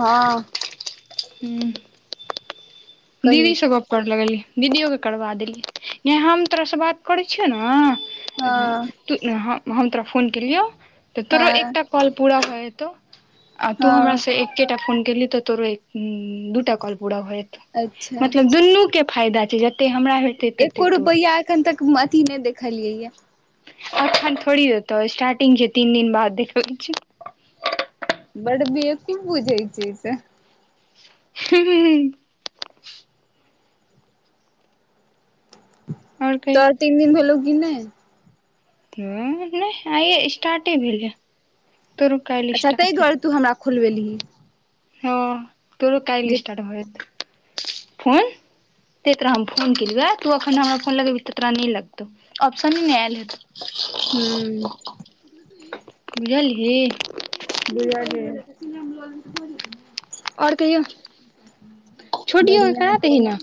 हँ ह दीदी कही स ग कर लगलियै दीदियो के करबा देलियी य हम तोरहसँ बात करै छियौ हँ न हम तोरा फोन केलियौ तऽ तोरो हँ एकटा कॉल पूरा भऽ जेत आ तू हमर हँ से एकेटा फोन केली तऽ तोरो दूटा कॉल पूरा हो अच्छा मतलब दुनूके फायदा छै जतेक हमरा ह एको रुपैआ एखन तक अथी नहि देखलियै अखन थोड़ी हतौ स्टार्टिंग जे तीन दिन बाद देख छ बड बेवकूफ बुझै छै स ह और कही तोहर तीन दिन भेलल कि नह ह नहि आइ स्टार्टे भेल त अच्छा ताहि दुआरे तू हमरा खोलबेली ह हँ तोरो काइल स्टारट भ जेत ते तोरा हम फोन केलिय तू एन हमरा फोन लगेबही तोरा नहि लगतौ ऑप्शने नहि आयल हेत बुझलही हूँ भ ओर कहियो छोटियो के बढ़िया करा दहि न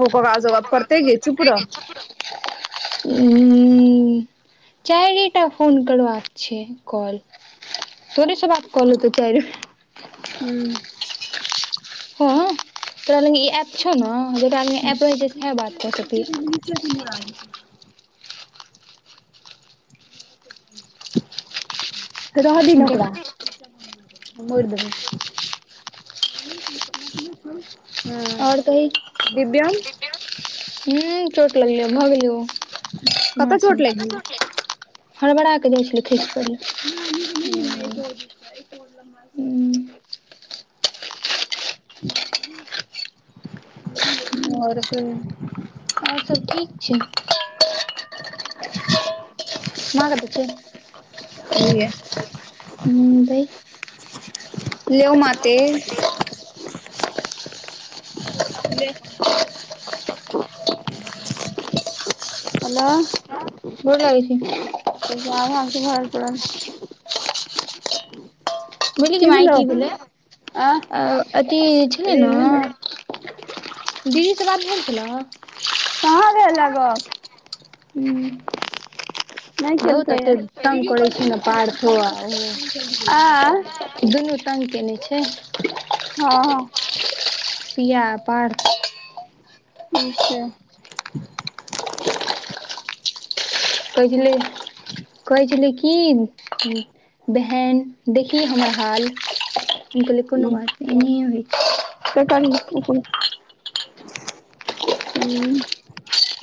ओ कगाज वगाब करते गे चुप रह हं चारेटाफोन करबाक छै कॉल थोड़ेसँ बात कल तऽ चा हूँ हँ तोरा ल ई एप छौ ने जे ल ए [unintelligible] रहा दिहि न ओकरा। मरि दाही। ओर कही? हू चोट लगलियौ भऽ गेलियौ। कतऽ माँ चोट लागि संघे, हरबड़ा के जाइ छलै खेच प [unintelligible] हूँ [unintelligible] [inaudible] ओर कहियो? ओर सभ ठीक छै। माँ कतह छै? हाइए। हू दही। लऊ माते। ल। हेलो। गोर लगे छै। त जा भ तऽ भय पड़ ने [unintelligible] बोल्हि त माय की भेलै आँ अथी छलै रे ने दीदी सऽ बात भेल चलऊ। कहाँ भेल है गप। हू। हँ, नहि तऽ केलकैये कतेक तंग वीडियो करे कॉल छै ने केने पार छै। छलै आँय दुनू तंग केने छै। हँ, हँ। पिया पर्थ ठीक छै। कहै छलै, कहै छलै की। बहन देखी हमर हाल, हम कहलीये कोनो हूँ बात नहि एनाए होइत छै। तऽ करी ओ ह।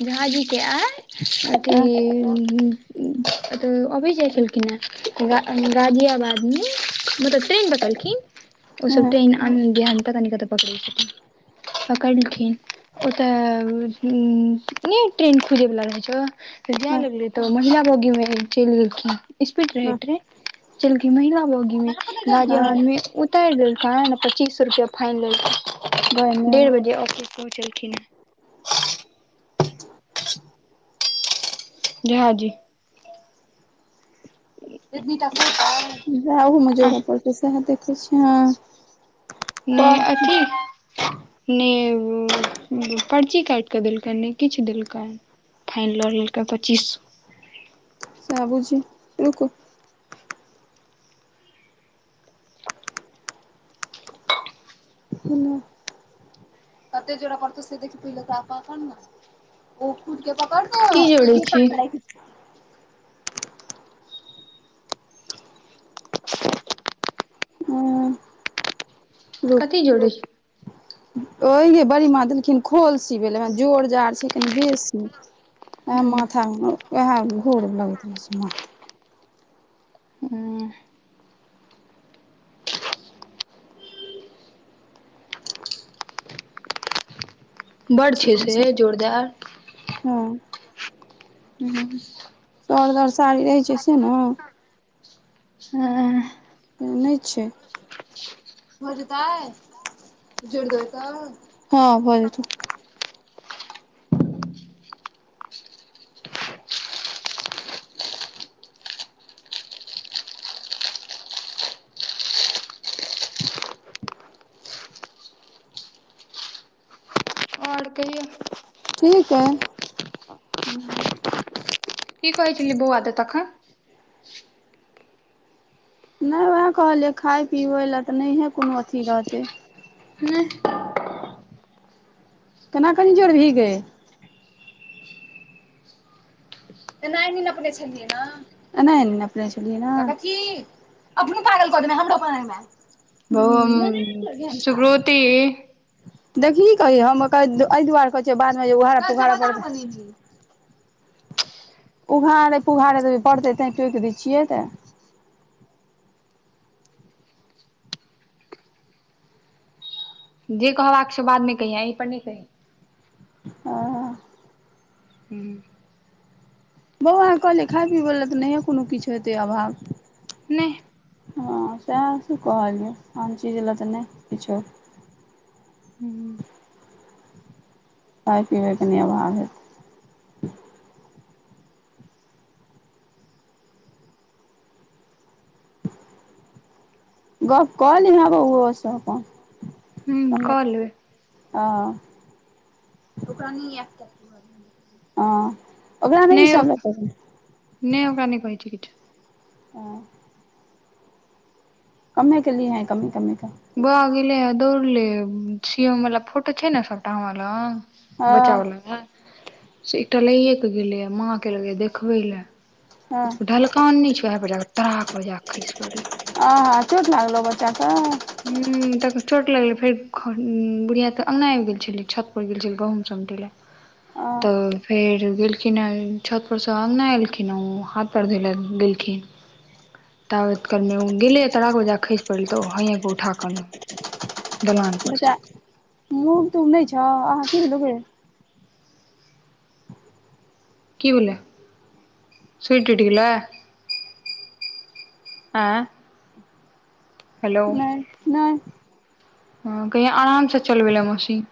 झा जी आइ अथि हँ [unintelligible] तऽ अबै जाइ छलखिन हे गा गाजियाबादमे। मतलब ट्रेन बतेलखिन ओसभ हँ ट्रेन देहान कनि कतऽ पकड़ै छथिन। पकड़लखिन ओत ह नै ट्रेन खुजे वला रहै छौ, त जाय हँ लगले तऽ महिला बोगीमे चलि एखिन। इस्पीड रहै हँ ट्रेन। चलके महिला बोगीमे हँ गाजियाबादमे उतरि देलक है ने पच्चीस सौ रुपया। फाइनल लेल कऽ घरमे देर बजे ऑफिस पहुँचलखिन हेँ। [inaudible] झा जी। एतने तऽ सेहेते ओहोमे जोड़ऽ पड़तै, से है, देखै छियै हँ। नहि कह अथि। नहि, पर्ची काटि कऽ देलकनि, नहि किछु देलकनि। फाइन लऽ लेलकै, पच्चीस सए। सऽ बुझी, रुकू। हु कतऽ जोड़ पड़तै से देखब तऽ पखन ने। ओ कुड़के पकड़ की जोड़ै ने छी पक। हँ। कथी जोड़ी? ओहि बड़ी माँ देलखिन खोल सिबय लऽ, जोर जार छै, कनि बेसी। और माथामे वएह घोर लगैत रहे छै, माथा ह बड छै से जोरदा ह [unintelligible] सर दर साड़ी रहैत छै से न अ नै छ भऽ जेतैय जोड़ देबय तऽ हाँ भऽ जेत आओर कहियौ तुहि क नह कि कही बौआद त नहि उएह कहलियै खाय पिबै लए तऽ नहिे कोनो अथी रहत नह केना कनिजोर भी ग एना नपने छलियै ए नपने छलिय क अपने भागल क हमरो अपनम बहु हम सुकोत देखही की हम एहि दुआरे कहै छियै बादमे उाड़ा तुघड़ उघाड़े पुघारै ती पड़तै तै टोकि दै छियै त जे कहबाक छै बाद में कहियै एहि पर नहि कहि अ हूँ बौ अहाँ कहलियै खाय पीबै लए तऽ नहिए कोनो किछु हेतै अभा नहि हा सेहा से कहलियै कोन चीज लऽ तऽ नहि किछ हूँ खाय पीबैकेनी अभाव गप कऽलिह ओहो सब अप कऽ लेबै अऽ कनीज क नै ओ नहि ओक नहि कहे छै किछ ह कममे के लीहे है कम्मे कम्मे क ब गेलल दौड़ल सी एम मला फोटो छै ने सबटा हमा हँ बच्चा वाला से एकटा लैए कऽ गेलै माँ के लऽ देखबै ल हँ ढलकान नै छौ ऐसा पर तराक बजडा आ खइश परल आ हाँ चोट लागलो बच्चा क त चोट लगलै फेर बुढ़िया तऽ अङ्गना आबि गेल छलै छत परर गेल छलै गहुम चमटै ल आ तऽ फेर गे छिने छत पर सँ आंगन एलखिन हे ओ हाथ पैर धोय लए गेलखि हं तब कर गेलै तड़ाक ओजा खसि पड़ल तऽ हँ क उठा क मुभ तुभ नै छ कीबल सीटट गे आ हेलो नहि नहि हाँ कहिआ आराम से चलबले मशी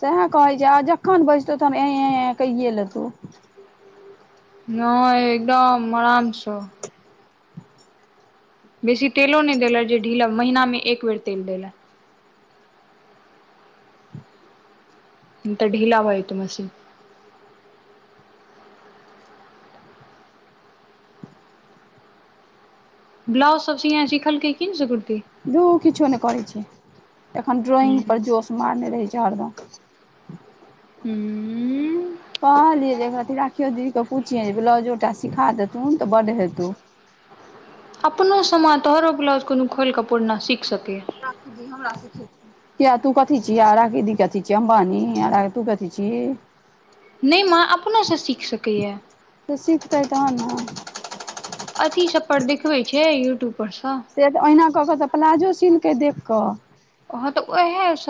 सएह कहैत छै आ जखन बैसतौ तहन ए कहिए लेतह नै एकदम आराम स बेसी तेलो नहि देय जे ढीला महिना में एक बेर तेल देल तऽ ढीला भऽ जैतो मशी ब्लाउज सब सिआइन सिखल कै की ने से कुर्त धू किछो नहि करैत छै एखन ड्रॉइंग पर हूँ, जोश मारने रहैत छै हरद हू कहलियै जे एकरा ति राखियो दीदे पूछििये जे ब्लाउजो टा सिखा देतू ने तऽ बड्ड हेतू अपनो समान तोहरो ब्लाउज कोनो खोलि कऽ पूरना सीख सकैय राखी जी हमरा सीखे य तू कथी छिय आ राखीदी कथि छियै अमबानी आ र तू कथथि छिय नै माँ अपना सँ सीख सकैए सुततेय तहन न अथी सब पर देखबे छै यूट्यू से तऽ ओहिना कऽ कऽ तऽ प्लाजो सीलकै देख क हाँ तऽ उएह स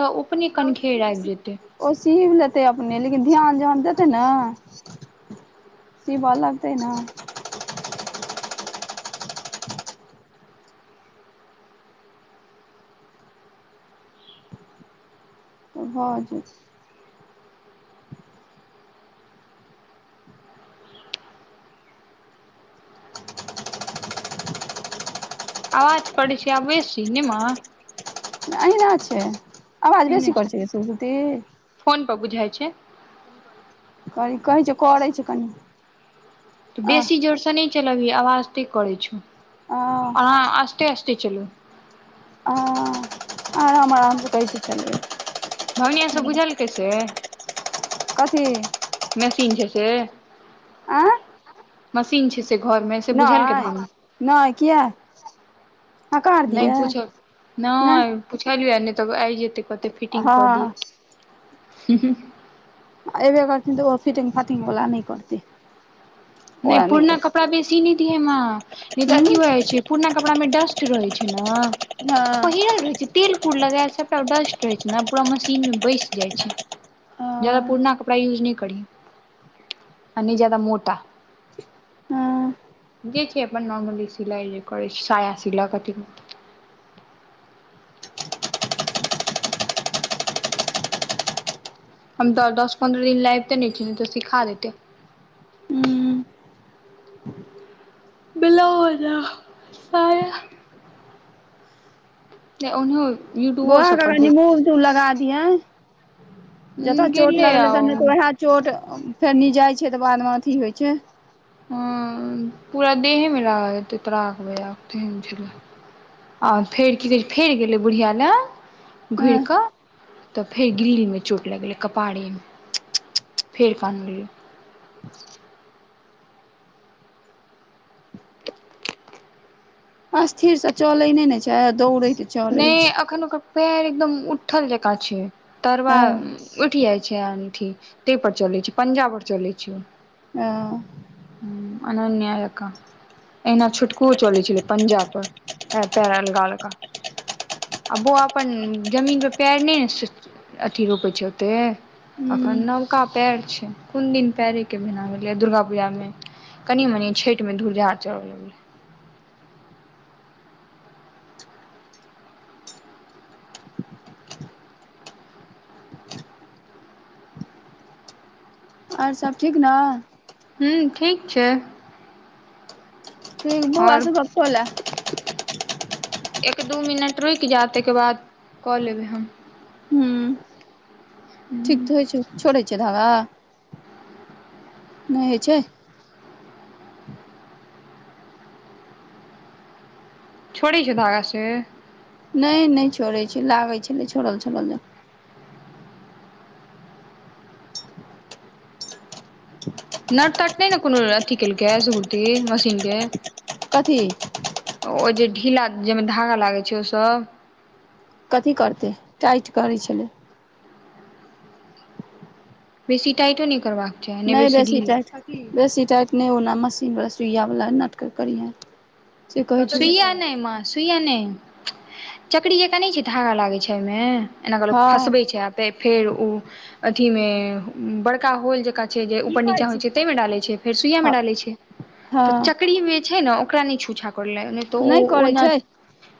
ओ सी भ लेतै अपने लेकिन ध्यान जान द सिखतै नै सिबय लगतै ना तऽ भऽ जेत आवाज पड़ै छै आ बेस छी नेम अहिना छै आवाज बेसी करै छै सुत फोन पर बुझाइ छ करे कहै छै करै छै कन तऽ बेसी जोर सँ नहि चलबी आबज ते करै छौ आ आँ आस्ते आस्ते चल आराम आराम से कै छी छलल भावनी सब बुझलकै से कथ मशीन छै स अ मशीन छै से घर में से बुझल के नहि भा नहि किया हकार नहि दियै पूछो नह नहि पुछलिय नहि तऽ आबि जेतै कते फिटिंग कऽ दिय हँ ए बे करथि तऽ ओ फिटंग फाटंग बला नहि करत नहि पूरना कपड़ा बेसी न दि एमे न तऽथी होै छ पुरना कपड़ा में डस्ट रहै छै ने आ हँ पहिरल रहै छै न तेल कूर लगाऽ सबटा डस्ट रहे छै ने पूरा मशीन में बैसि जाई छ जदा हँ पूर्ना कपड़ा यूज न करी अ जायदाा मोटा हँ जे छै अपन नॉर्मली सिलइ जे करै छै साया सिल क हम दस पन्द्रह दिन लबिते नहि छी तऽ सिखा देत हूँ बिलौज साय नै ओहन बौआ के कन्नी मुभ तुभ लगा दिय जतऽ चोट गेलै लगले ततह आ वए चोट फेर नि जाइ छै तऽ बादमे अथी होइ छ ह पूरा देहे मे रागतै तरागे और फेर की कहै छै फेर गेलै बुढ़ियाँ लग घुर क हँ तऽ फेर गिल्लीमे चोट लगलै कपारेमे फेर क्ल अस्थिर से चलै नहि ने छै दौड़ नै अखन ओकर पैर एकदम उठल जेका छै तरव हँ उठि छैठ ताहि पर चले छ पंजाब परर चले ओ अनन्यायका एना छूटकु चल छै पंजाब प पेर लगालक आ बौआ अपन जमीन पर पैर नहि ने अथी रोपै छै ओत ह्म एखन नवका पएर छै कोन दिन पएरेके भना भेलैए दुर्गा पूजाम कनि मनि छठिमे धुरधा चढ़ऽ लगल आओर सब ठीक न हूँ ठीक छ बौ आओर आस सत होल एक दू मिनट रुकि जा तैके बाद कऽ लेबै हम। हूँ। ठीक तऽ होइ छै, छोड़ै छै, धाबा नहि होइ छै। छोड़ै छै, धागा से नहि नहि छोड़ै छै, लागैत छलै, छोड़ल छोड़ल जे। नट तट नहि ने कोनो अथीकेल के सुकूती मशीनके कथी। ओ जे ढीला जाहिमे धागा लागै छै, ओसभ। कथी करतै टाइट करै छलै। बेसी टाइटो नै कर नहि बेसी टाइट, बेसी टाइट नहि ओना मशीनवला सुइयवला नटक करिहे। से कहै छै सुइया नहि, माँ सुइया नहि चकरी जे कने छै, धागा लागैत छै, एहिहिमे। एना कऽ लोक हँ फँसबै छै, आ फेर ओ अथीमे बड़का होल जेकाँ। ऊपर-नीचाँ होइ छै, ताहिमे डऽ छै, छऽ छै, फेर सुइयामे हँ डऽ छै, छऽ छै, हँ चकीमे जे छै, ओ छै। उक्र छूछ कर लै त ओ नहि करै ओना। छै